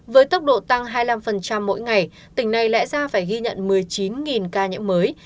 với tốc độ tăng hai mươi năm mỗi ngày tỉnh này lẽ ra phải ghi nhận một mươi chín ca nhiễm mới